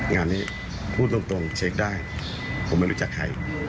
งานนี้พูดตรงเช็คได้ผมไม่รู้จักใคร